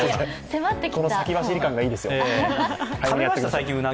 この先走り感がいいんですよ。